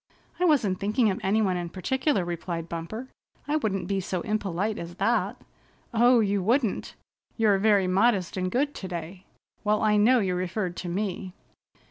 "I wasn't thinking of any one in particular," replied Bumper. "I wouldn't be so impolite as that." "Oh, you wouldn't! You're very modest and good today. Well, I know you referred to me."